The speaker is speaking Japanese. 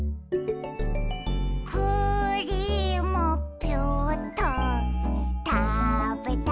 「クリームピューっとたべたいな」